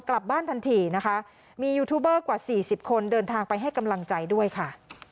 กลับบ้านทันทีนะคะมียูทูบเบอร์กว่าสี่สิบคนเดินทางไปให้กำลังใจด้วยค่ะ